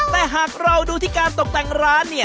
แต่หากเราดูการเติบดันร้านเนี่ย